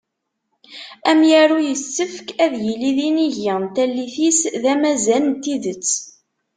Amyaru yessefk ad yili d inigi n tallit-is, d amazan n tidet.